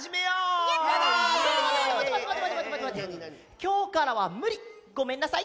きょうからはむり。ごめんなさい。